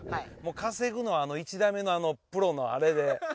稼ぐのは１打目のあのプロのあれで。